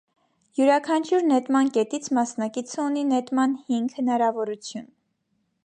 Յուրաքանչյուր նետման կետից մասնակիցը ունի նետման հինգ հնարավորություն։